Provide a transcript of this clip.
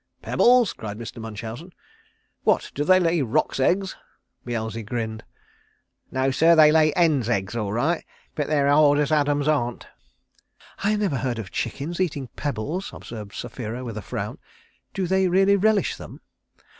"Pebbles?" cried Mr. Munchausen. "What, do they lay Roc's eggs?" Beelzy grinned. "No, sir they lay hen's eggs all right, but they're as hard as Adam's aunt." "I never heard of chickens eating pebbles," observed Sapphira with a frown. "Do they really relish them?"